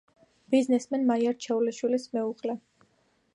ბიზნესმენ მაია რჩეულიშვილის მეუღლე.